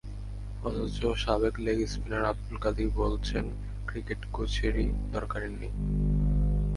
অথচ সাবেক leg spinner Abdul Qadir বলছেন, ক্রিকেটে কোচেরই দরকার নেই।